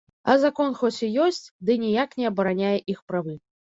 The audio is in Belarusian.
А закон хоць і ёсць, ды ніяк не абараняе іх правы.